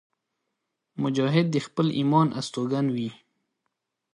مجاهد د خپل ایمان استوګن وي.